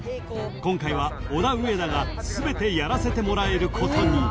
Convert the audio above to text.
今回はオダウエダが全てやらせてもらえることに］